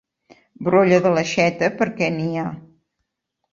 Brolla de l'aixeta perquè n'hi ha.